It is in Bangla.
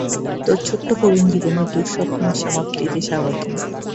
তোর ছোট্ট করুণ জীবনের দুঃস্বপ্নের সমাপ্তিতে স্বাগতম।